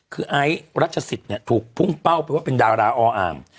คือไอซ์รัชศิษย์เนี่ยถูกพุ่งเป้าไปว่าเป็นดาราออ่าง